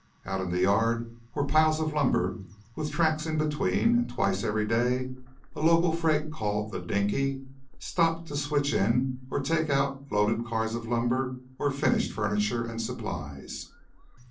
Out in the yard were piles of lumber, with tracks in between, and twice every day a local freight called "The Dinky" stopped to switch in or take out loaded cars of lumber or finished furniture and supplies.